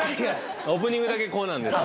オープニングだけこうなんです。